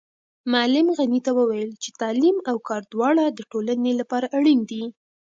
معلم غني وویل چې تعلیم او کار دواړه د ټولنې لپاره اړین دي.